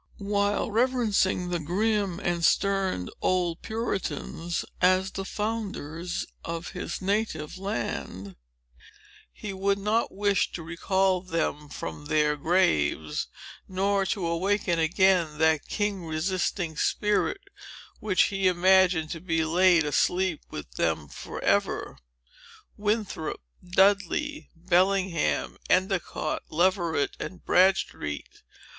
While reverencing the grim and stern old Puritans as the founders of his native land, he would not wish to recall them from their graves, nor to awaken again that king resisting spirit, which he imagined to be laid asleep with them forever. Winthrop, Dudley, Bellingham, Endicott, Leverett, and Bradstreet!